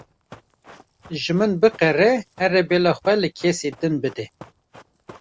Ji min biqere here bela xwe li kesên din bide.